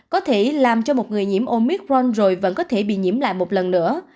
có thể làm cho một người nhiễm omicron rồi vẫn có thể bị nhiễm lại một lần nữa